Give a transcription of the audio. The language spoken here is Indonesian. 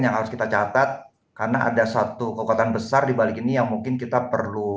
yang harus kita catat karena ada satu kekuatan besar dibalik ini yang mungkin kita perlu